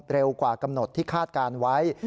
เร็วกว่ากำหนดที่คาดการณ์ไว้